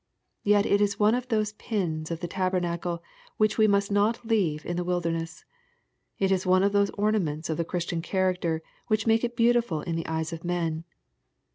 Yet it is one of those pins of the tabernacle which we must not leave in the wil derness. It is one of those ornaments of the Christian character which make it beautiful in the eyes of men.